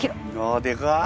あでかい！